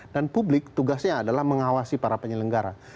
dan publik tugasnya adalah mengawasi para penyelenggara